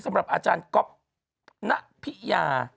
สำหรับอาจารย์ก๊อฟณพิยา